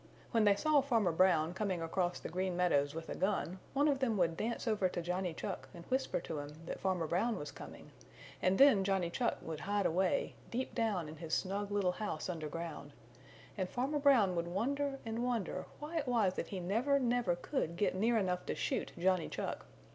When they saw Farmer Brown coming across the Green Meadows with a gun one of them would dance over to Johnny Chuck and whisper to him that Farmer Brown was coming, and then Johnny Chuck would hide away, deep down in his snug little house under ground, and Farmer Brown would wonder and wonder why it was that he never, never could get near enough to shoot Johnny Chuck.